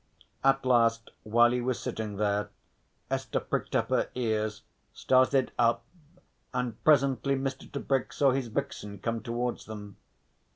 At last while he was sitting there Esther pricked up her ears, started up, and presently Mr. Tebrick saw his vixen come towards them.